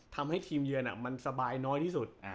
ทำให้ทีมเยือนมันสบายน้อยที่สุด